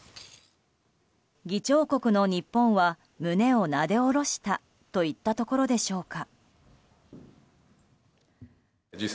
議長国の日本は胸をなでおろしたといったところでしょうか。